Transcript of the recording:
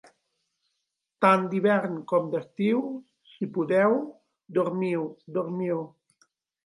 Tant d'hivern com d'estiu, si podeu, dormiu, dormiu.